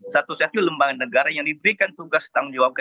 satu satunya lembangan negara yang diberikan tugas tanggung jawab ke mnp